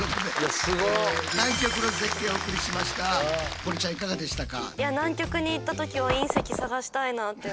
堀ちゃんいかがでしたか？